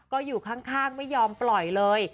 ก็อยู่ข้างไม่ยอมปล่อยเลย